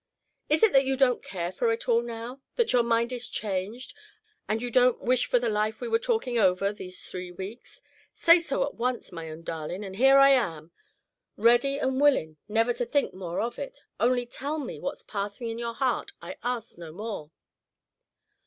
"Is it that you don't care for it all now, that your mind is changed, and that you don't wish for the life we were talkin' over these three weeks? Say so at once, my own darlin', and here I am, ready and willin' never to think more of it. Only tell me what's passin' in your heart; I ask no more."